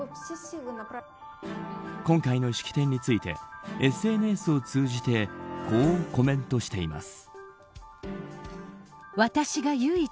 今回の式典についてＳＮＳを通じてこうコメントしています。